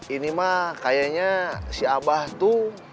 ini mah kayaknya si abah tuh